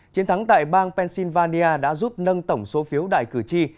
chiến thắng tại bang pennsylvania đã giúp nâng tổng số phiếu đại cử tri